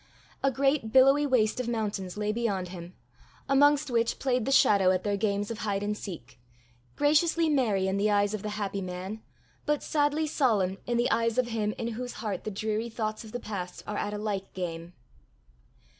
A great billowy waste of mountains lay beyond him, amongst which played the shadow at their games of hide and seek graciously merry in the eyes of the happy man, but sadly solemn in the eyes of him in whose heart the dreary thoughts of the past are at a like game.